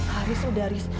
haris sudah riz